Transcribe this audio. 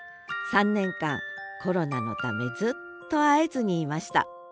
３年間コロナのためずっと会えずにいましたあらそう。